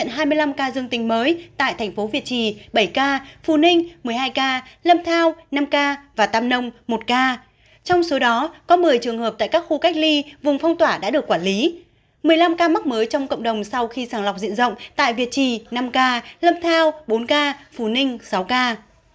một mươi năm ca mắc mới trong cộng đồng sau khi sàng lọc diện rộng tại việt trì năm ca lâm thao bốn ca phù ninh sáu ca